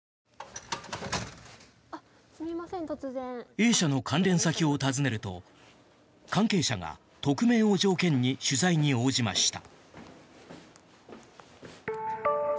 Ａ社の関連先を訪ねると関係者が匿名を条件に取材に応じました。